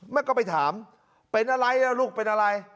แม่ก็ไปถามเป็นอะไรล่ะลูกเป็นอะไร